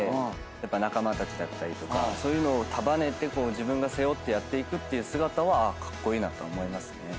仲間たちだったりとかそういうのを束ねて自分が背負ってやっていく姿はカッコイイなって思いますね。